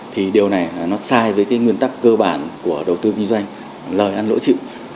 thì điều này nó sai với cái nguyên tắc cơ bản của đầu tư kinh doanh lời ăn lỗi chịu